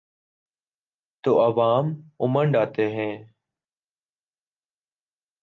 تو عوام امنڈ آتے ہیں۔